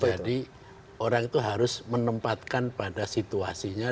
jadi orang itu harus menempatkan pada situasinya